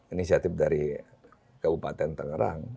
inisiatif dari kabupaten tangerang